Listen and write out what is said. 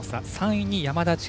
３位に山田千遥